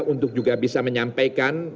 untuk juga bisa menyampaikan